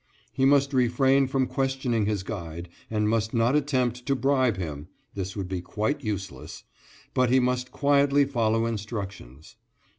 He must refrain from questioning his guide, and must not attempt to bribe him (this would be quite useless), but he must quietly follow instructions.